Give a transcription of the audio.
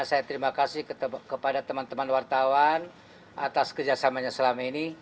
saya terima kasih kepada teman teman wartawan atas kerjasamanya selama ini